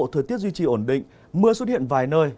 thời tiết duy trì ổn định mưa xuất hiện vài nơi